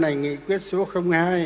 đảnh nghị quyết số hai